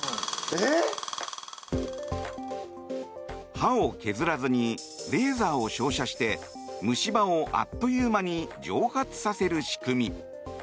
歯を削らずにレーザーを照射して虫歯をあっという間に蒸発させる仕組み。